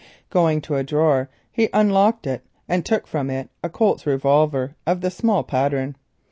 Going to a drawer, he unlocked it and took from it a Colt's revolver of the small pattern.